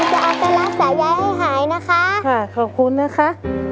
นี่จะอัตรรัสสายายให้หายนะคะค่ะขอบคุณนะคะ